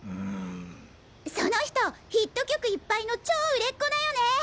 その人ヒット曲いっぱいの超売れっ子だよね。